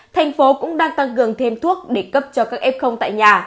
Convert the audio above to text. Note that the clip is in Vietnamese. thành phố cũng đang tăng cường thêm thuốc để cấp cho các f tại nhà